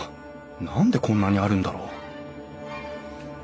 何でこんなにあるんだろう？